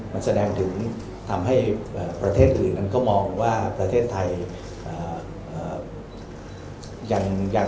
มันแสดงถึงทำให้ประเทศอื่นนั้นก็มองว่าประเทศไทย